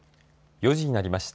４時になりました。